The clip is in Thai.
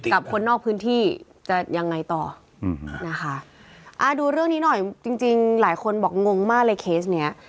กับคนนอกพื้นที่จะยังไงต่ออืมนะคะอ่าดูเรื่องนี้หน่อยจริงจริงหลายคนบอกงงมากเลยเคสเนี้ย